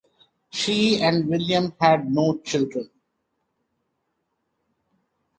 She and William had no children.